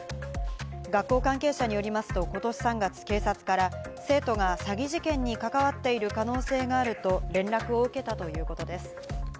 学校関係者によりますとことし３月、警察から生徒が詐欺事件に関わっている可能性があると連絡を受けたということです。